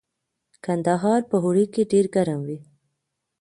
کندهار په اوړي کې ډیر ګرم وي